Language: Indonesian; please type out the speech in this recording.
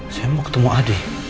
saya mau ketemu ade